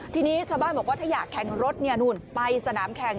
ทีนี้ชาวบ้านบอกว่าถ้าอยากแข่งรถนู่นไปสนามแข่ง